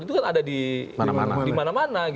itu kan ada di mana mana